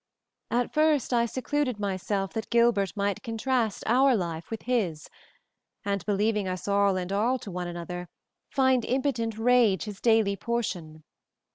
At first I secluded myself that Gilbert might contrast our life with his and, believing us all and all to one another, find impotent regret his daily portion.